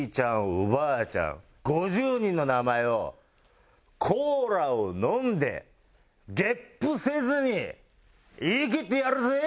おばあちゃん５０人の名前をコーラを飲んでゲップせずに言いきってやるぜぇ！